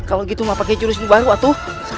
nah kalau gitu mau pakai jurus baru atuh